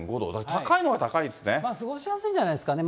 高いのは高いんです過ごしやすいんじゃないですかね。